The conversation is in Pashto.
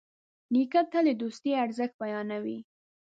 نیکه تل د دوستي ارزښت بیانوي.